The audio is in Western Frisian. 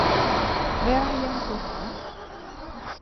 Wêr ha jim it oer hân?